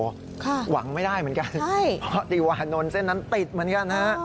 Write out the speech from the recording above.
ค่ะค่ะติวานนท์เส้นนั้นติดเหมือนกันนะฮะหวังไม่ได้เหมือนกัน